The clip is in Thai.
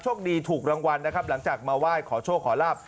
คดีถูกรางวัลนะครับหลังจากมาไหว้ขอโชคขอลาบ